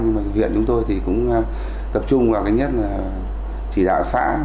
nhưng mà viện chúng tôi thì cũng tập trung vào cái nhất là chỉ đạo sát